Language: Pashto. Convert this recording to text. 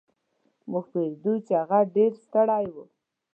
مونږ پوهېدو چې هغه ډېر ستړی و.